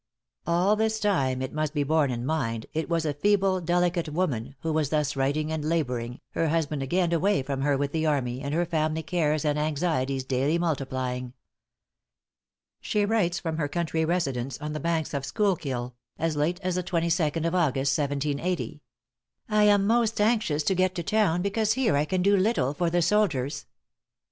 All this time, it must be borne in mind, it was a feeble, delicate woman, who was thus writing and laboring, her husband again away from her with the army, and her family cares and anxieties daily multiplying. She writes from her country residence on the banks of Schuylkill, as late as the 22nd. of August, 1780: "I am most anxious to get to town, because here I can do little for the soldiers."